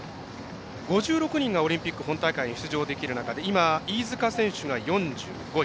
５６人がオリンピック本大会に出場できる中で飯塚選手が４５位。